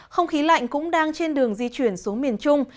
không khí lạnh cũng đang trên đường di chuyển xuống miền trung